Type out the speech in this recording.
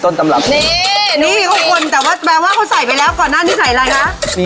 สำหรับ๑๐อัพ